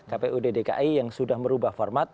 kpud dki yang sudah merubah format